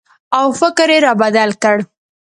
او فکر یې را بدل کړ